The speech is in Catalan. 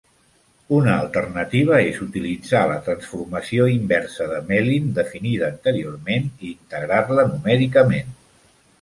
Una alternativa és utilitzar la transformació inversa de Mellin, definida anteriorment, i integrar-la numèricament.